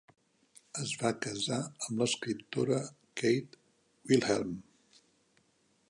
Es va casar amb l'escriptora Kate Wilhelm.